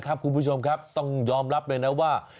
คุณผู้ชมครับต้องยอมรับเลยนะว่า